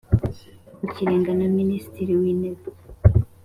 rw Ikirenga na Minisitiri w Intebe